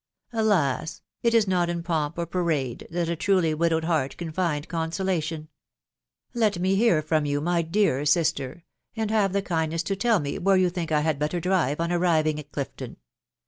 Alas !.... it is not in pomp or parade that a truly widowed heart can find consolation !" Let me hear from you, my dear sister, and have the kindness to tell me where you think I had better drive, on arriving at Clifton.